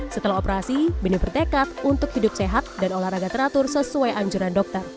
setelah operasi beni bertekad untuk hidup sehat dan olahraga teratur sesuai anjuran dokter